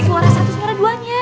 suara satu suara duanya